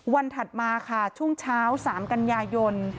ถัดมาค่ะช่วงเช้า๓กันยายน